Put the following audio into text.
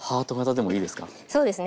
そうですね。